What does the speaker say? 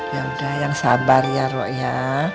yaudah yang sabar ya roh ya